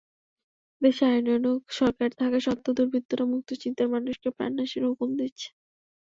দেশে আইনানুগ সরকার থাকা সত্ত্বেও দুর্বৃত্তরা মুক্তচিন্তার মানুষকে প্রাণনাশের হুমকি দিচ্ছে।